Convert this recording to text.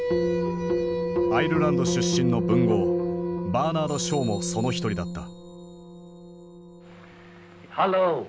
アイルランド出身の文豪バーナード・ショーもその一人だった。